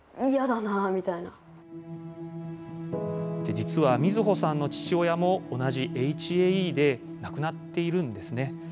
実はみずほさんの父親も、同じＨＡＥで亡くなっているんですね。